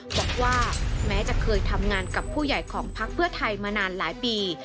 บอกว่าแม้จะเคยทำงานกับผู้ใหญ่ของพักเพื่อไทยมานานหลายปี